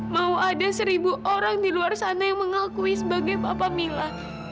mau ada seribu orang di luar sana yang mengakui sebagai papa mila